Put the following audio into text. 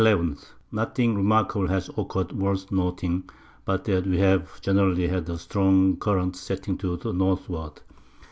_ Nothing remarkable has occurr'd worth noting, but that we have generally had a strong Current setting to the Northward.